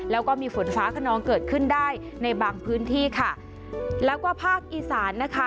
แล้วก็มีฝนฟ้าขนองเกิดขึ้นได้ในบางพื้นที่ค่ะแล้วก็ภาคอีสานนะคะ